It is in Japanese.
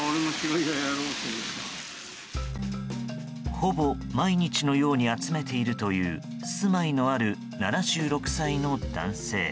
ほぼ毎日のように集めているという住まいのある７６歳の男性。